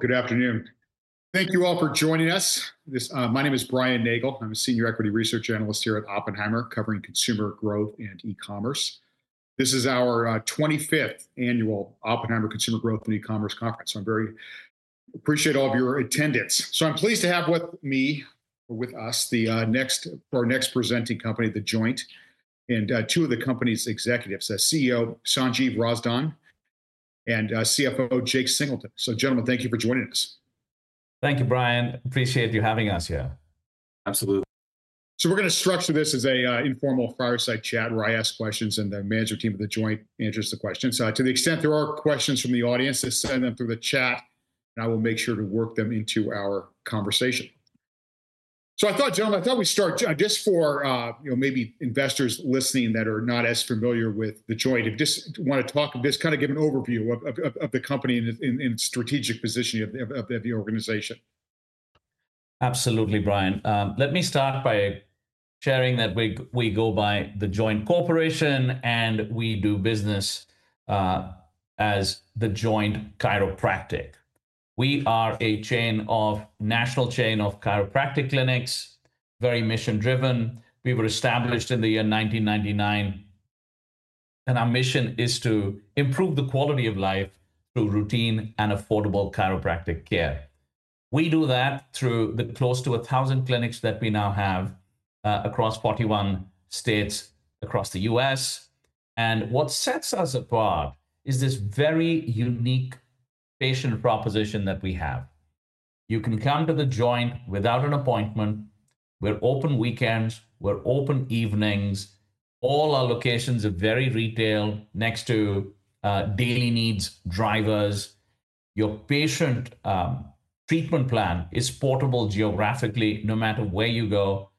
Good afternoon. Thank you all for joining us. My name is Brian Nagel. I'm a Senior Equity Research Analyst here at Oppenheimer, covering consumer growth and e-commerce. This is our 25th Annual Oppenheimer Consumer Growth and E-commerce Conference. I appreciate all of your attendance. I'm pleased to have with me or with us for our next presenting company, The Joint, and two of the company's executives, CEO Sanjiv Razdan and CFO Jake Singleton. Gentlemen, thank you for joining us. Thank you, Brian. Appreciate you having us here. Absolutely. We're going to structure this as an informal fireside chat where I ask questions and the management team of The Joint answers the questions. To the extent there are questions from the audience, just send them through the chat and I will make sure to work them into our conversation. I thought, gentlemen, I thought we'd start just for maybe investors listening that are not as familiar with The Joint, if you just want to talk, just kind of give an overview of the company and its strategic positioning of the organization. Absolutely, Brian. Let me start by sharing that we go by The Joint Corporation and we do business as The Joint Chiropractic. We are a national chain of chiropractic clinics, very mission-driven. We were established in the year 1999, and our mission is to improve the quality of life through routine and affordable chiropractic care. We do that through the close to 1,000 clinics that we now have across 41 states across the U.S. What sets us apart is this very unique patient proposition that we have. You can come to The Joint without an appointment. We're open weekends. We're open evenings. All our locations are very retail, next to daily needs drivers. Your patient treatment plan is portable geographically. No matter where you go,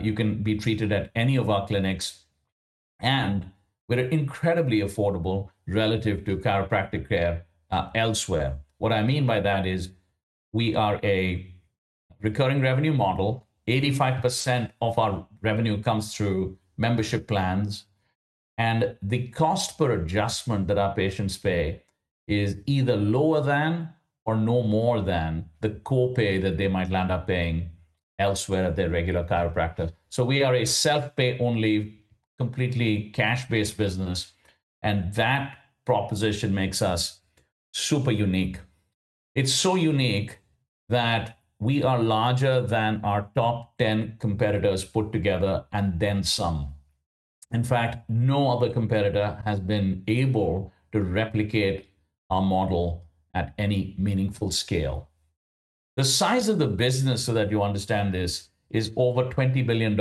you can be treated at any of our clinics. We're incredibly affordable relative to chiropractic care elsewhere. What I mean by that is we are a recurring revenue model. 85% of our revenue comes through membership plans. The cost per adjustment that our patients pay is either lower than or no more than the copay that they might land up paying elsewhere at their regular chiropractor. We are a self-pay only, completely cash-based business. That proposition makes us super unique. It's so unique that we are larger than our top 10 competitors put together and then some. In fact, no other competitor has been able to replicate our model at any meaningful scale. The size of the business, so that you understand this, is over $20 billion.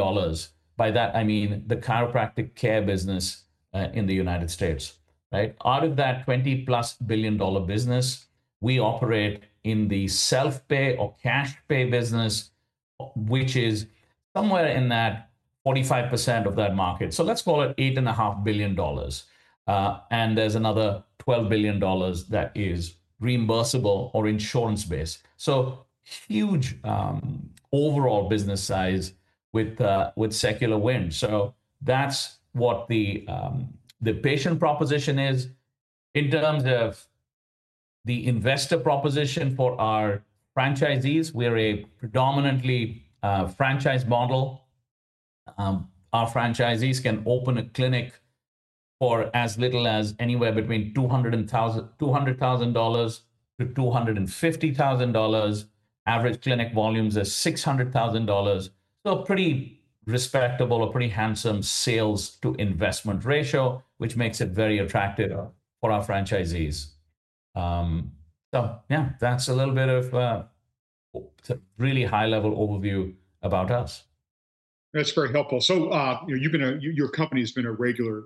By that, I mean the chiropractic care business in the United States. Out of that $20+ billion business, we operate in the self-pay or cash-pay business, which is somewhere in that 45% of that market. Let's call it $8.5 billion. There's another $12 billion that is reimbursable or insurance-based. Huge overall business size with secular wind. That's what the patient proposition is. In terms of the investor proposition for our franchisees, we're a predominantly franchise model. Our franchisees can open a clinic for as little as anywhere between $200,000-$250,000. Average clinic volumes are $600,000. A pretty respectable, a pretty handsome sales-to-investment ratio, which makes it very attractive for our franchisees. Yeah, that's a little bit of a really high-level overview about us. That's very helpful. Your company has been a regular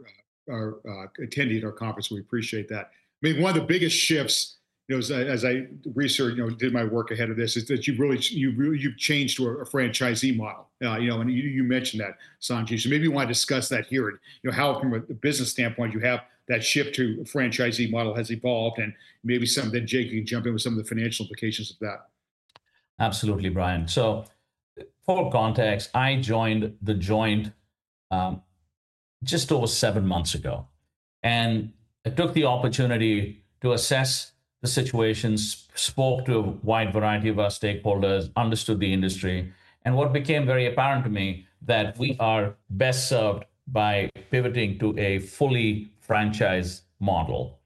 attendee at our conference. We appreciate that. I mean, one of the biggest shifts, as I researched, did my work ahead of this, is that you've changed to a franchisee model. You mentioned that, Sanjiv. Maybe you want to discuss that here and how, from a business standpoint, that shift to a franchisee model has evolved. Maybe some of that, Jake, you can jump in with some of the financial implications of that. Absolutely, Brian. For context, I joined The Joint just over seven months ago. I took the opportunity to assess the situations, spoke to a wide variety of our stakeholders, understood the industry. What became very apparent to me is that we are best served by pivoting to a fully franchise model.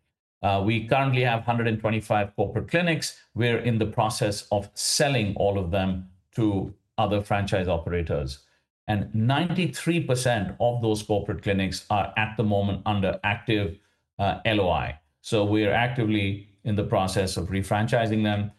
We currently have 125 corporate clinics. We are in the process of selling all of them to other franchise operators. 93% of those corporate clinics are at the moment under active LOI. We are actively in the process of refranchising them.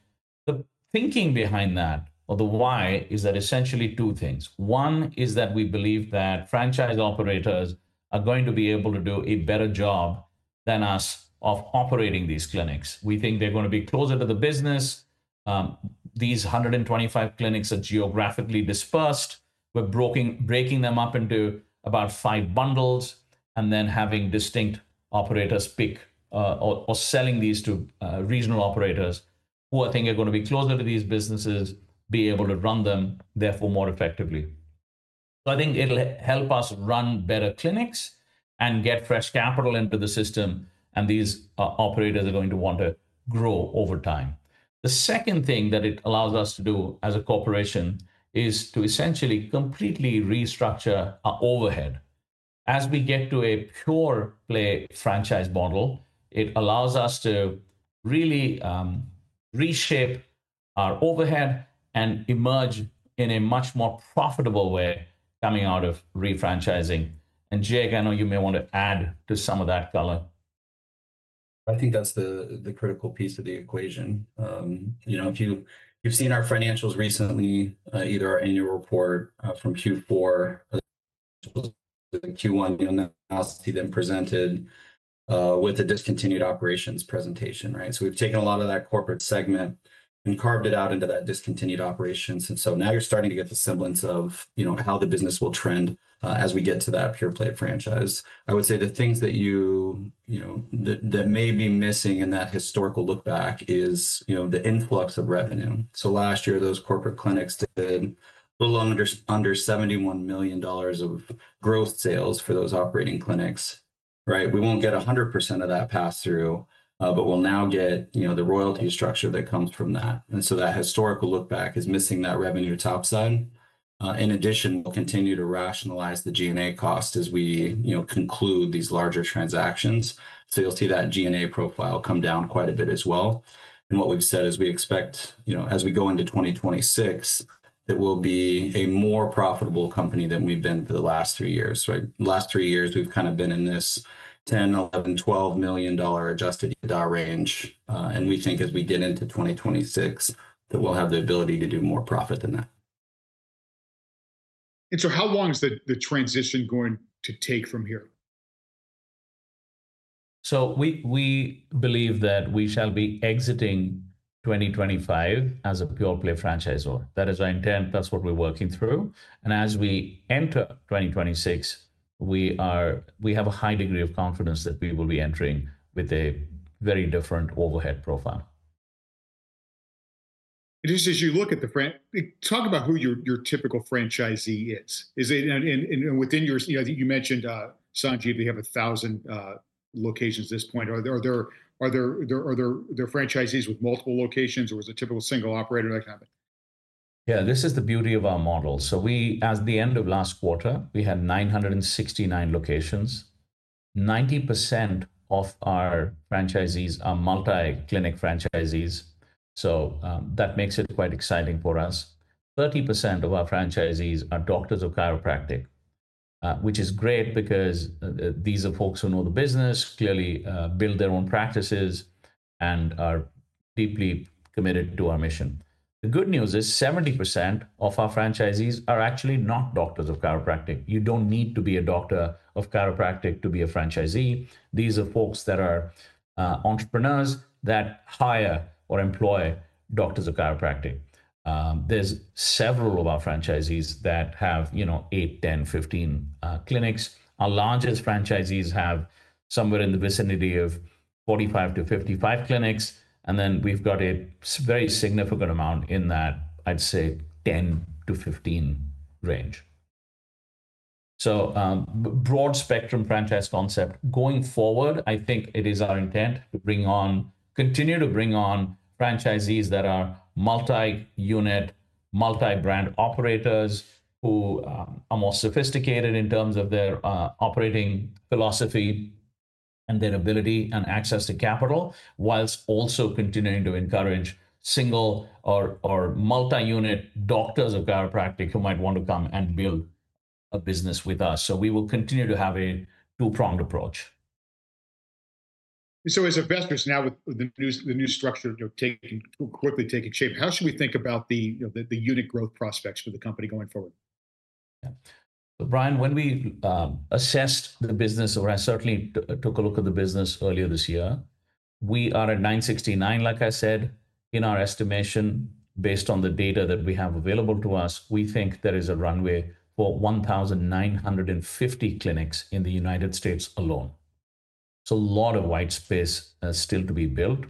The thinking behind that, or the why, is essentially two things. One is that we believe that franchise operators are going to be able to do a better job than us of operating these clinics. We think they are going to be closer to the business. These 125 clinics are geographically dispersed. We're breaking them up into about five bundles and then having distinct operators pick or selling these to regional operators who I think are going to be closer to these businesses, be able to run them, therefore more effectively. I think it'll help us run better clinics and get fresh capital into the system. These operators are going to want to grow over time. The second thing that it allows us to do as a corporation is to essentially completely restructure our overhead. As we get to a pure-play franchise model, it allows us to really reshape our overhead and emerge in a much more profitable way coming out of refranchising. Jake, I know you may want to add to some of that color. I think that's the critical piece of the equation. If you've seen our financials recently, either our annual report from Q4, Q1, and then you'll see them presented with a discontinued operations presentation. We've taken a lot of that corporate segment and carved it out into that discontinued operations. Now you're starting to get the semblance of how the business will trend as we get to that pure-play franchise. I would say the things that may be missing in that historical look back is the influx of revenue. Last year, those corporate clinics did a little under $71 million of gross sales for those operating clinics. We won't get 100% of that pass-through, but we'll now get the royalty structure that comes from that. That historical look back is missing that revenue top side. In addition, we'll continue to rationalize the G&A cost as we conclude these larger transactions. You will see that G&A profile come down quite a bit as well. What we've said is we expect as we go into 2026, it will be a more profitable company than we've been for the last three years. Last three years, we've kind of been in this $10 million, $11 million, $12 million adjusted EBITDA range. We think as we get into 2026 that we'll have the ability to do more profit than that. How long is the transition going to take from here? We believe that we shall be exiting 2025 as a pure-play franchisor. That is our intent. That is what we are working through. As we enter 2026, we have a high degree of confidence that we will be entering with a very different overhead profile. Just as you look at the talk about who your typical franchisee is. Within your, you mentioned, Sanjiv, you have 1,000 locations at this point. Are there franchisees with multiple locations, or is it typical single operator, that kind of thing? Yeah, this is the beauty of our model. At the end of last quarter, we had 969 locations. 90% of our franchisees are multi-clinic franchisees. That makes it quite exciting for us. 30% of our franchisees are doctors of chiropractic, which is great because these are folks who know the business, clearly build their own practices, and are deeply committed to our mission. The good news is 70% of our franchisees are actually not doctors of chiropractic. You do not need to be a doctor of chiropractic to be a franchisee. These are folks that are entrepreneurs that hire or employ doctors of chiropractic. There are several of our franchisees that have eight, 10, 15 clinics. Our largest franchisees have somewhere in the vicinity of 45-55 clinics. We have a very significant amount in that, I would say, 10-15 range. Broad spectrum franchise concept. Going forward, I think it is our intent to continue to bring on franchisees that are multi-unit, multi-brand operators who are more sophisticated in terms of their operating philosophy and their ability and access to capital, whilst also continuing to encourage single or multi-unit doctors of chiropractic who might want to come and build a business with us. We will continue to have a two-pronged approach. As a business, now with the new structure quickly taking shape, how should we think about the unit growth prospects for the company going forward? Yeah. So Brian, when we assessed the business, or I certainly took a look at the business earlier this year, we are at 969, like I said, in our estimation, based on the data that we have available to us, we think there is a runway for 1,950 clinics in the United States alone. A lot of white space still to be built.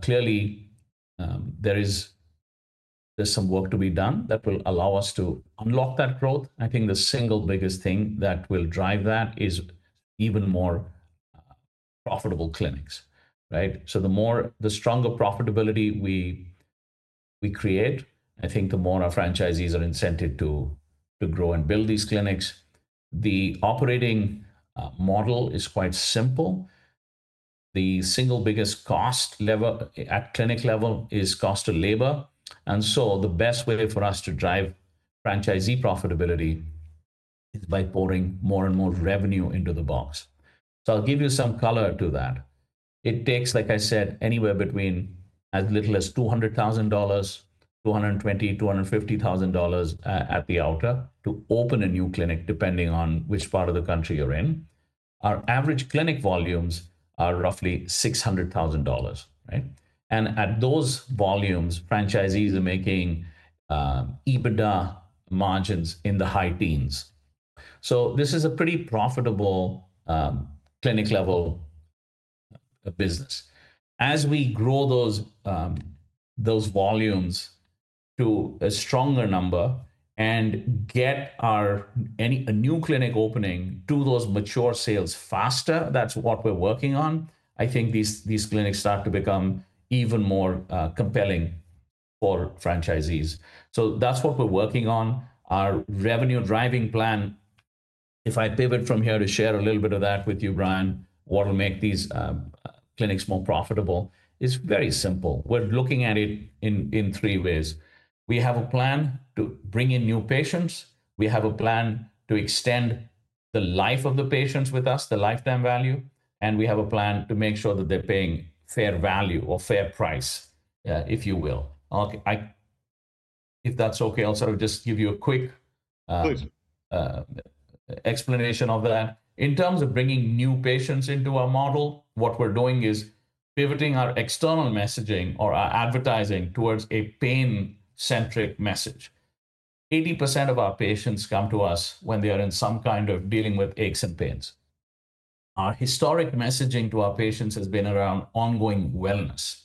Clearly, there is some work to be done that will allow us to unlock that growth. I think the single biggest thing that will drive that is even more profitable clinics. The stronger profitability we create, I think the more our franchisees are incented to grow and build these clinics. The operating model is quite simple. The single biggest cost at clinic level is cost of labor. The best way for us to drive franchisee profitability is by pouring more and more revenue into the box. I'll give you some color to that. It takes, like I said, anywhere between as little as $200,000-$220,000-$250,000 at the altar to open a new clinic, depending on which part of the country you're in. Our average clinic volumes are roughly $600,000. At those volumes, franchisees are making EBITDA margins in the high teens. This is a pretty profitable clinic-level business. As we grow those volumes to a stronger number and get a new clinic opening to those mature sales faster, that's what we're working on. I think these clinics start to become even more compelling for franchisees. That's what we're working on. Our revenue driving plan, if I pivot from here to share a little bit of that with you, Brian, what will make these clinics more profitable is very simple. We're looking at it in three ways. We have a plan to bring in new patients. We have a plan to extend the life of the patients with us, the lifetime value. And we have a plan to make sure that they're paying fair value or fair price, if you will. If that's okay, I'll sort of just give you a quick explanation of that. In terms of bringing new patients into our model, what we're doing is pivoting our external messaging or our advertising towards a pain-centric message. 80% of our patients come to us when they are in some kind of dealing with aches and pains. Our historic messaging to our patients has been around ongoing wellness.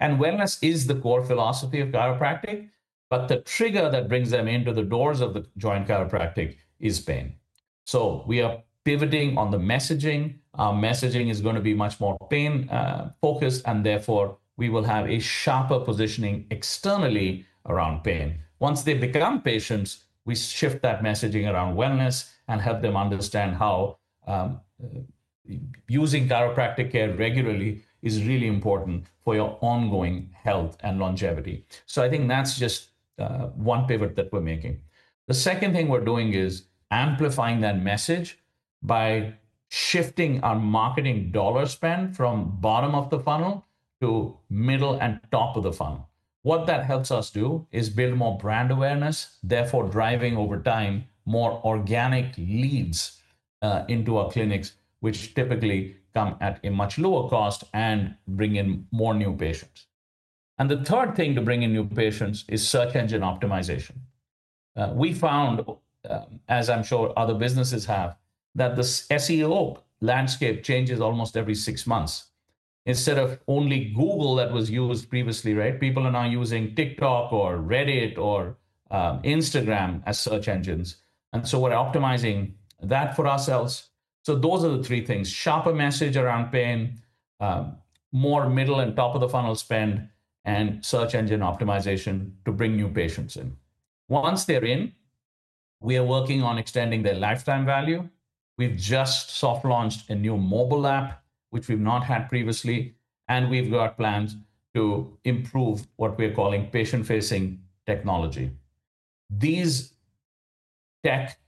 Wellness is the core philosophy of chiropractic, but the trigger that brings them into the doors of The Joint Chiropractic is pain. We are pivoting on the messaging. Our messaging is going to be much more pain-focused, and therefore, we will have a sharper positioning externally around pain. Once they become patients, we shift that messaging around wellness and help them understand how using chiropractic care regularly is really important for your ongoing health and longevity. I think that's just one pivot that we're making. The second thing we're doing is amplifying that message by shifting our marketing dollar spend from bottom of the funnel to middle and top of the funnel. What that helps us do is build more brand awareness, therefore driving over time more organic leads into our clinics, which typically come at a much lower cost and bring in more new patients. The third thing to bring in new patients is search engine optimization. We found, as I'm sure other businesses have, that the SEO landscape changes almost every six months. Instead of only Google that was used previously, people are now using TikTok or Reddit or Instagram as search engines. We are optimizing that for ourselves. Those are the three things: sharper message around pain, more middle and top of the funnel spend, and search engine optimization to bring new patients in. Once they're in, we are working on extending their lifetime value. We've just soft launched a new mobile app, which we've not had previously. We've got plans to improve what we're calling patient-facing technology. These tech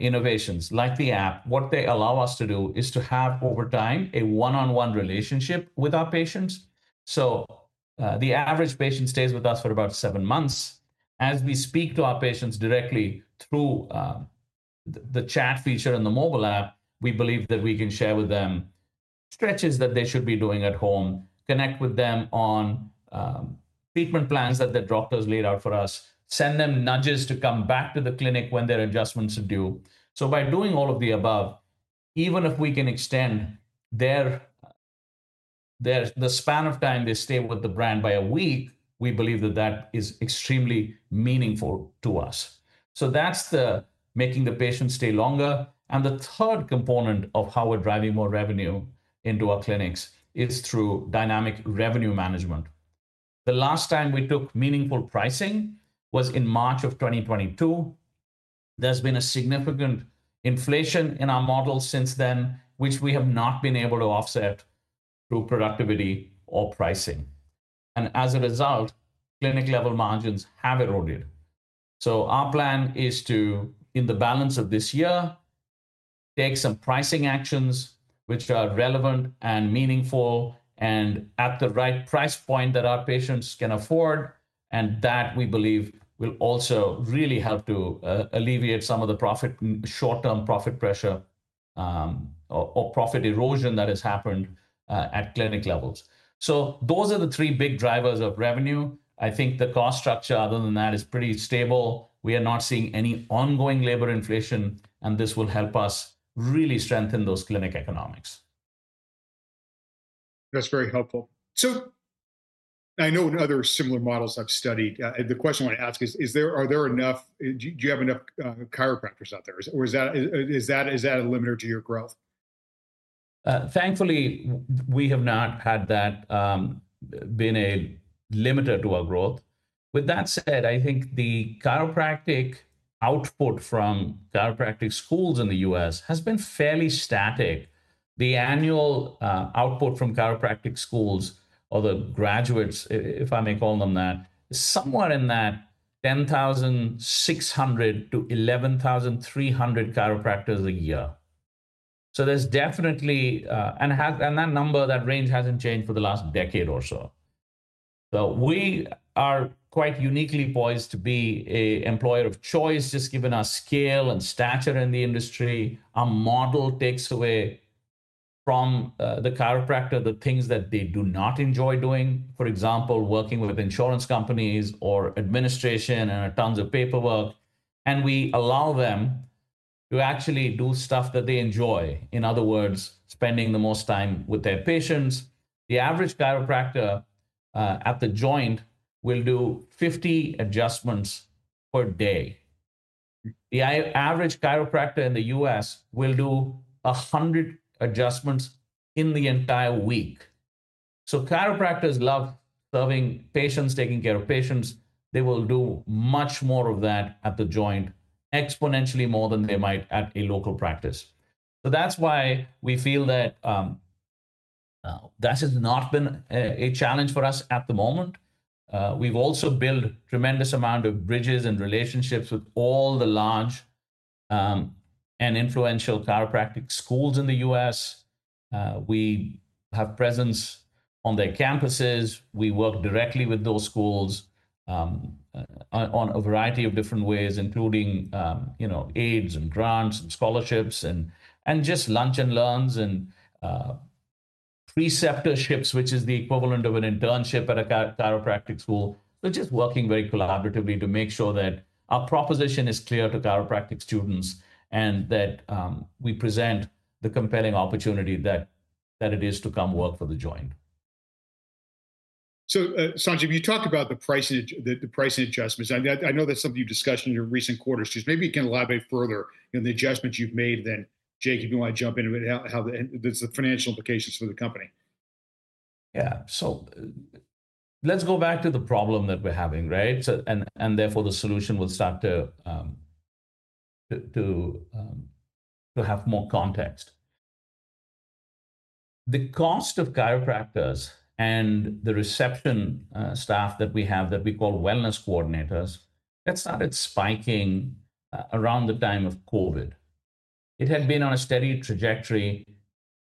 innovations, like the app, what they allow us to do is to have over time a one-on-one relationship with our patients. The average patient stays with us for about seven months. As we speak to our patients directly through the chat feature in the mobile app, we believe that we can share with them stretches that they should be doing at home, connect with them on treatment plans that their doctors laid out for us, send them nudges to come back to the clinic when their adjustments are due. By doing all of the above, even if we can extend the span of time they stay with the brand by a week, we believe that that is extremely meaningful to us. That is making the patients stay longer. The third component of how we are driving more revenue into our clinics is through dynamic revenue management. The last time we took meaningful pricing was in March of 2022. There's been a significant inflation in our model since then, which we have not been able to offset through productivity or pricing. As a result, clinic-level margins have eroded. Our plan is to, in the balance of this year, take some pricing actions which are relevant and meaningful and at the right price point that our patients can afford. That, we believe, will also really help to alleviate some of the short-term profit pressure or profit erosion that has happened at clinic levels. Those are the three big drivers of revenue. I think the cost structure, other than that, is pretty stable. We are not seeing any ongoing labor inflation, and this will help us really strengthen those clinic economics. That's very helpful. I know in other similar models I've studied, the question I want to ask is, do you have enough chiropractors out there? Is that a limiter to your growth? Thankfully, we have not had that been a limiter to our growth. With that said, I think the chiropractic output from chiropractic schools in the U.S. has been fairly static. The annual output from chiropractic schools or the graduates, if I may call them that, is somewhere in that 10,600-11,300 chiropractors a year. There is definitely, and that number, that range has not changed for the last decade or so. We are quite uniquely poised to be an employer of choice, just given our scale and stature in the industry. Our model takes away from the chiropractor the things that they do not enjoy doing, for example, working with insurance companies or administration and tons of paperwork. We allow them to actually do stuff that they enjoy, in other words, spending the most time with their patients. The average chiropractor at The Joint will do 50 adjustments per day. The average chiropractor in the U.S. will do 100 adjustments in the entire week. Chiropractors love serving patients, taking care of patients. They will do much more of that at The Joint, exponentially more than they might at a local practice. That is why we feel that has not been a challenge for us at the moment. We have also built a tremendous amount of bridges and relationships with all the large and influential chiropractic schools in the U.S. We have presence on their campuses. We work directly with those schools in a variety of different ways, including aids and grants and scholarships and just lunch and learns and preceptorships, which is the equivalent of an internship at a chiropractic school. We're just working very collaboratively to make sure that our proposition is clear to chiropractic students and that we present the compelling opportunity that it is to come work for The Joint. Sanjiv, you talked about the pricing adjustments. I know that's something you've discussed in your recent quarters. Maybe you can elaborate further on the adjustments you've made. Jake, if you want to jump in, how the financial implications for the company. Yeah. Let's go back to the problem that we're having, right? Therefore, the solution will start to have more context. The cost of chiropractors and the reception staff that we have that we call wellness coordinators, that started spiking around the time of COVID. It had been on a steady trajectory.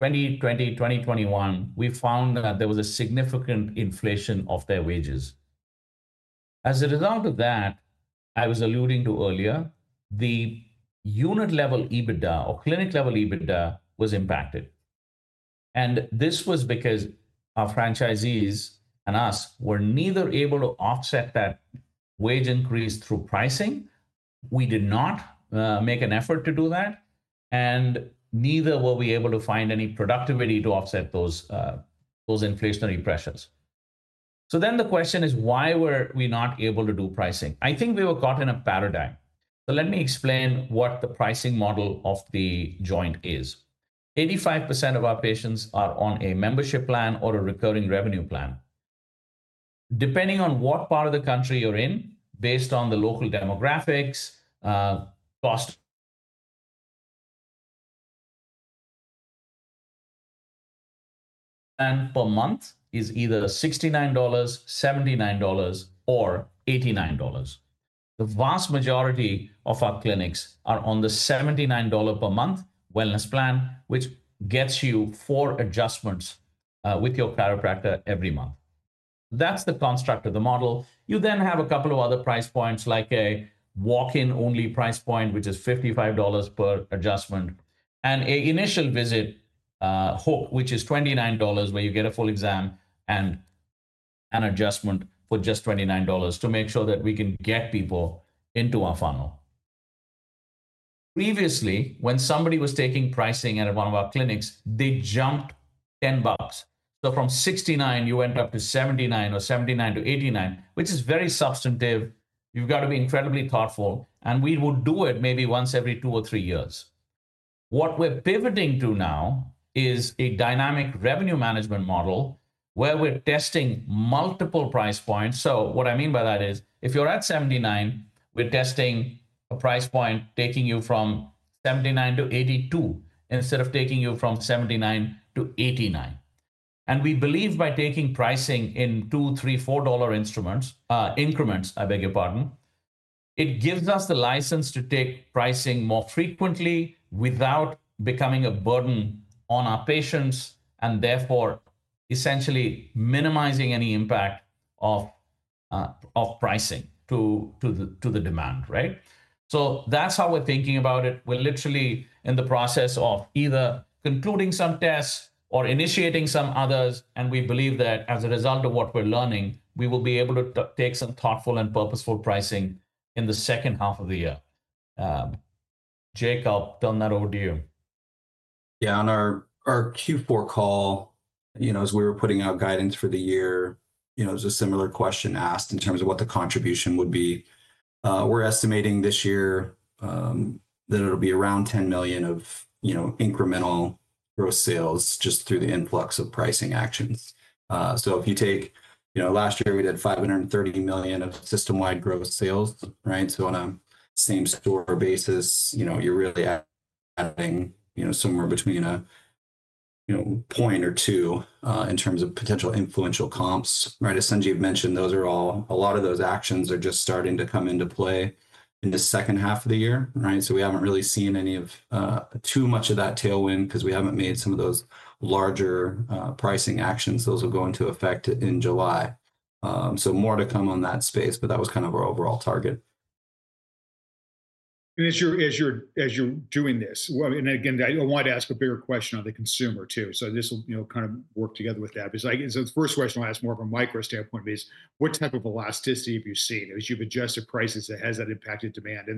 In 2020, 2021, we found that there was a significant inflation of their wages. As a result of that, as I was alluding to earlier, the unit-level EBITDA or clinic-level EBITDA was impacted. This was because our franchisees and us were neither able to offset that wage increase through pricing. We did not make an effort to do that. Neither were we able to find any productivity to offset those inflationary pressures. The question is, why were we not able to do pricing? I think we were caught in a paradigm. Let me explain what the pricing model of The Joint is. 85% of our patients are on a membership plan or a recurring revenue plan. Depending on what part of the country you're in, based on the local demographics, cost per month is either $69, $79, or $89. The vast majority of our clinics are on the $79 per month Wellness Plan, which gets you four adjustments with your chiropractor every month. That's the construct of the model. You then have a couple of other price points, like a walk-in-only price point, which is $55 per adjustment, and an initial visit hook, which is $29, where you get a full exam and an adjustment for just $29 to make sure that we can get people into our funnel. Previously, when somebody was taking pricing at one of our clinics, they jumped 10 bucks. From $69, you went up to $79 or $79-$89, which is very substantive. You have got to be incredibly thoughtful. We would do it maybe once every two or three years. What we are pivoting to now is a dynamic revenue management model where we are testing multiple price points. What I mean by that is, if you are at $79, we are testing a price point taking you from $79-$82 instead of taking you from $79-$89. We believe by taking pricing in $2, $3, $4 increments, I beg your pardon, it gives us the license to take pricing more frequently without becoming a burden on our patients and therefore essentially minimizing any impact of pricing to the demand, right? That is how we are thinking about it. We are literally in the process of either concluding some tests or initiating some others. We believe that as a result of what we're learning, we will be able to take some thoughtful and purposeful pricing in the second half of the year. Jake, I'll turn that over to you. Yeah. On our Q4 call, as we were putting out guidance for the year, it was a similar question asked in terms of what the contribution would be. We're estimating this year that it'll be around $10 million of incremental gross sales just through the influx of pricing actions. If you take last year, we did $530 million of system-wide gross sales, right? On a same-store basis, you're really adding somewhere between a point or two in terms of potential influential comps, right? As Sanjiv mentioned, a lot of those actions are just starting to come into play in the second half of the year, right? We haven't really seen too much of that tailwind because we haven't made some of those larger pricing actions. Those will go into effect in July. More to come on that space, but that was kind of our overall target. As you're doing this, I wanted to ask a bigger question on the consumer too. This will kind of work together with that. The first question I'll ask more from a micro standpoint is, what type of elasticity have you seen as you've adjusted prices? Has that impacted demand?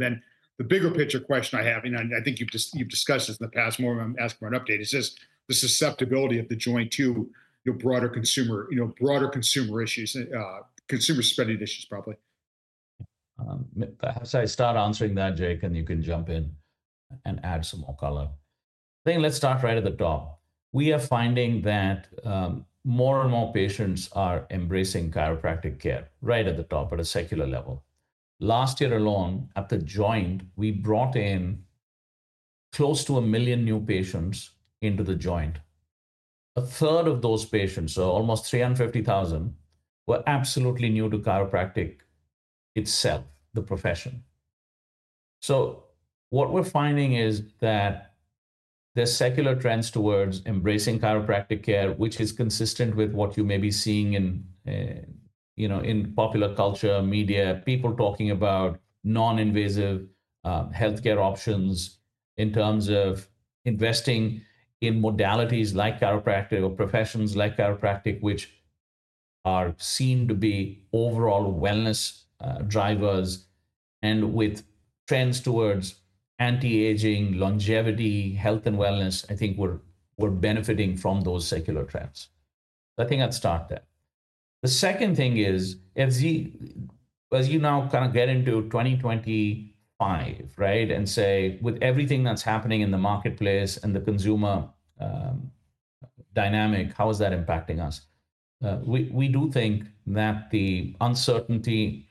The bigger picture question I have, and I think you've discussed this in the past more, I'm asking for an update, is the susceptibility of The Joint to broader consumer issues, consumer-spending issues, probably? I'm sorry. Start answering that, Jake, and you can jump in and add some more color. I think let's start right at the top. We are finding that more and more patients are embracing chiropractic care right at the top at a secular level. Last year alone, at The Joint, we brought in close to a million new patients into The Joint. 1/3 of those patients, so almost 350,000, were absolutely new to chiropractic itself, the profession. What we're finding is that there's secular trends towards embracing chiropractic care, which is consistent with what you may be seeing in popular culture, media, people talking about non-invasive healthcare options in terms of investing in modalities like chiropractic or professions like chiropractic, which are seen to be overall wellness drivers. With trends towards anti-aging, longevity, health, and wellness, I think we're benefiting from those secular trends. I think I'd start there. The second thing is, as you now kind of get into 2025, right, and say, with everything that's happening in the marketplace and the consumer dynamic, how is that impacting us? We do think that the uncertainty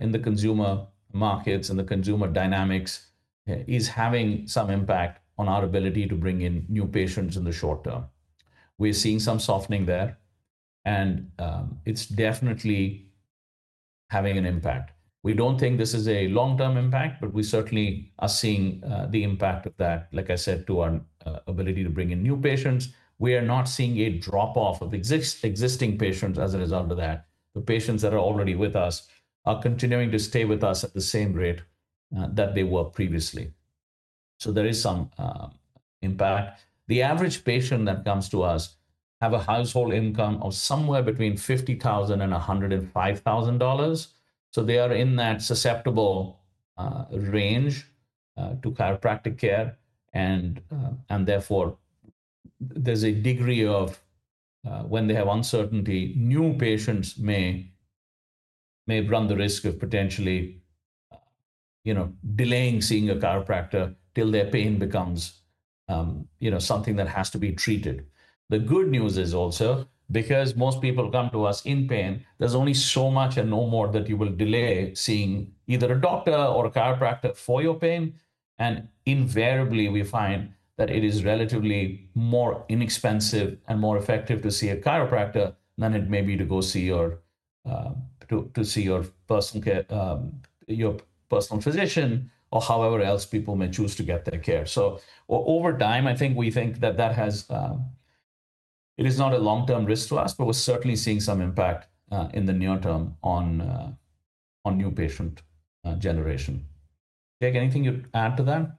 in the consumer markets and the consumer dynamics is having some impact on our ability to bring in new patients in the short term. We're seeing some softening there. It's definitely having an impact. We don't think this is a long-term impact, but we certainly are seeing the impact of that, like I said, to our ability to bring in new patients. We are not seeing a drop-off of existing patients as a result of that. The patients that are already with us are continuing to stay with us at the same rate that they were previously. There is some impact. The average patient that comes to us has a household income of somewhere between $50,000 and $105,000. They are in that susceptible range to chiropractic care. Therefore, there is a degree of, when they have uncertainty, new patients may run the risk of potentially delaying seeing a chiropractor till their pain becomes something that has to be treated. The good news is also, because most people come to us in pain, there is only so much and no more that you will delay seeing either a doctor or a chiropractor for your pain. Invariably, we find that it is relatively more inexpensive and more effective to see a chiropractor than it may be to go see your personal physician or however else people may choose to get their care. Over time, I think we think that it is not a long-term risk to us, but we're certainly seeing some impact in the near term on new patient generation. Jake, anything you'd add to that?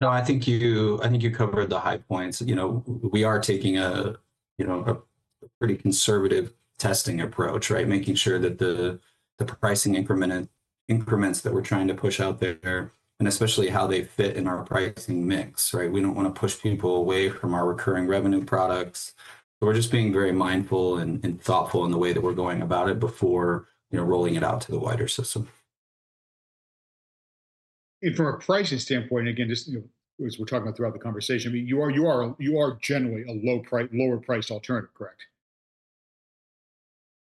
No, I think you covered the high points. We are taking a pretty conservative testing approach, right, making sure that the pricing increments that we're trying to push out there, and especially how they fit in our pricing mix, right? We do not want to push people away from our recurring revenue products. So we are just being very mindful and thoughtful in the way that we are going about it before rolling it out to the wider system. From a pricing standpoint, again, as we're talking about throughout the conversation, you are generally a lower-priced alternative, correct?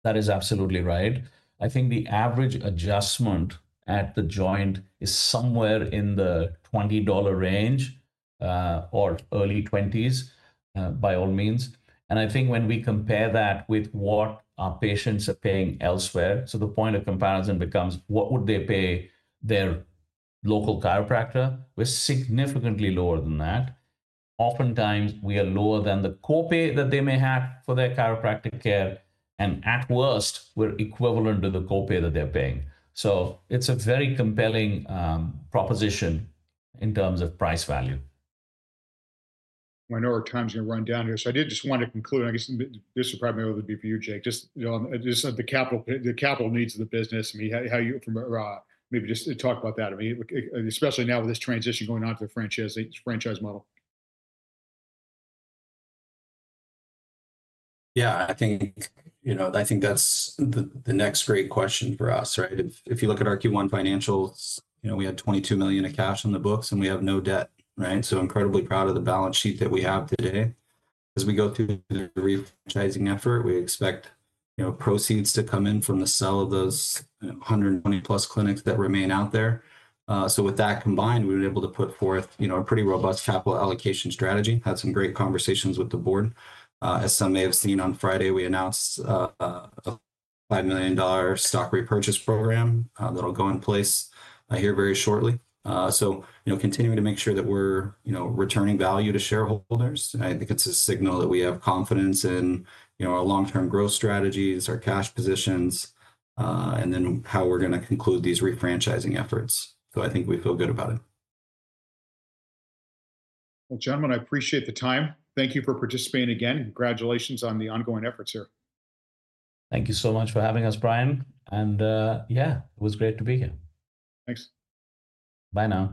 That is absolutely right. I think the average adjustment at The Joint is somewhere in the $20 range or early 20s, by all means. I think when we compare that with what our patients are paying elsewhere, the point of comparison becomes, what would they pay their local chiropractor? We're significantly lower than that. Oftentimes, we are lower than the copay that they may have for their chiropractic care. At worst, we're equivalent to the copay that they're paying. It is a very compelling proposition in terms of price value. I know our time's going to run down here. So I did just want to conclude, and I guess this would probably be for you, Jake, just the capital needs of the business, maybe just talk about that, especially now with this transition going on to the franchise model. Yeah. I think that's the next great question for us, right? If you look at our Q1 financials, we had $22 million of cash on the books, and we have no debt, right? Incredibly proud of the balance sheet that we have today. As we go through the refranchising effort, we expect proceeds to come in from the sale of those 120+ clinics that remain out there. With that combined, we were able to put forth a pretty robust capital allocation strategy, had some great conversations with the board. As some may have seen on Friday, we announced a $5 million stock repurchase program that'll go in place here very shortly. Continuing to make sure that we're returning value to shareholders. I think it's a signal that we have confidence in our long-term growth strategies, our cash positions, and then how we're going to conclude these refranchising efforts. I think we feel good about it. Gentlemen, I appreciate the time. Thank you for participating again. Congratulations on the ongoing efforts here. Thank you so much for having us, Brian. Yeah, it was great to be here. Thanks. Bye now.